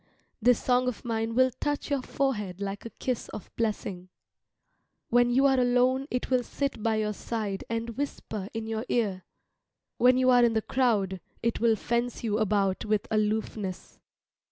This song of mine will touch your forehead like a kiss of blessing. When you are alone it will sit by your side and whisper in your ear, when you are in the crowd it will fence you about with aloofness.